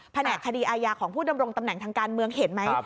แหนกคดีอาญาของผู้ดำรงตำแหน่งทางการเมืองเห็นไหม